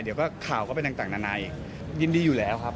เดี๋ยวก็ข่าวก็เป็นต่างนานาอีกยินดีอยู่แล้วครับ